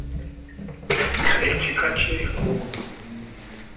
Ekika ky'Engo.